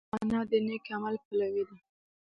انا د نېک عمل پلوي ده